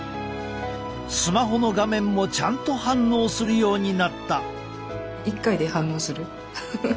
スマホの画面もちゃんと反応するようになった。